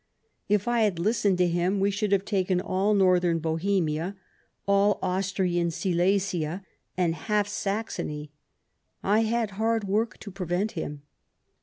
If I had listened to him, we should have taken all Northern Bohemia, all Austrian Silesia, and half Saxony. I had hard work to prevent him."